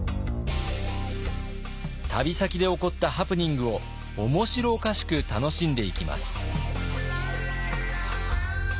旅先で起こったハプニングを面白おかしく楽しんでいきます。